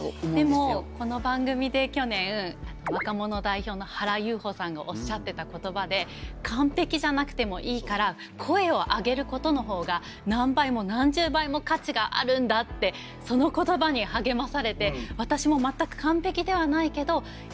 でもこの番組で去年若者代表の原有穂さんがおっしゃってた言葉で「完璧じゃなくてもいいから声を上げることのほうが何倍も何十倍も価値があるんだ」ってその言葉に励まされて。